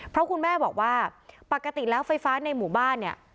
เพราะคุณแม่บอกว่าปกติแล้วไฟฟ้าในหมู่บ้านเนี่ย